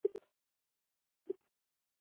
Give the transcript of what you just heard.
田端通往的参道通过此地。